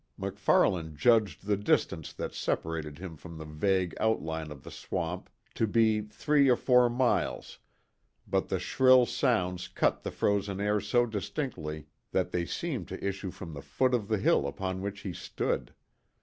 MacFarlane judged the distance that separated him from the vague outline of the swamp to be three or four miles, but the shrill sounds cut the frozen air so distinctly that they seemed to issue from the foot of the hill upon which he stood.